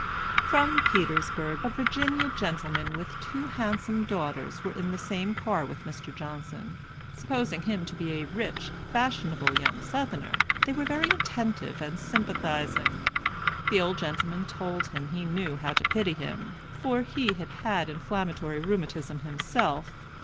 From Petersburg, a Virginia gentleman with two handsome daughters were in the same car with Mr. Johnson. Supposing him to be a rich, fashionable young Southerner, they were very attentive and sympathizing. The old gentleman told him he knew how to pity him, for he had had inflammatory rheumatism himself.